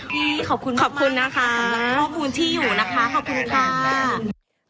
พี่ขอบคุณมากขอบคุณนะคะขอบคุณที่อยู่นะคะขอบคุณค่ะ